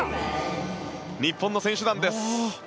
日本の選手団です。